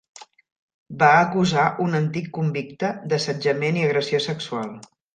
Va acusar un antic convicte d'assetjament i agressió sexual.